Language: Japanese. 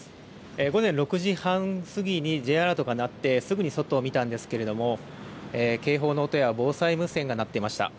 午前６時半過ぎにＪアラートが鳴って、すぐに外を見たんですけれども、警報の音や防災無線が鳴っていました。